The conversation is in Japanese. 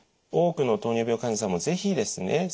多くの糖尿病患者さんも是非ですね